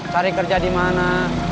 cari kerja dimana